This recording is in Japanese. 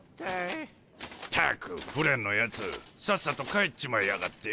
ったくフレンのやつさっさと帰っちまいやがってよ。